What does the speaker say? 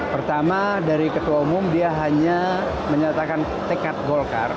pertama dari ketua umum dia hanya menyatakan tekad golkar